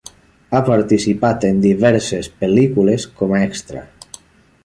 Ha participat en diverses pel·lícules com a extra.